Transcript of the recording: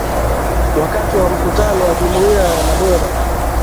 wakati wa mkutano wa Jumuiya ya Madola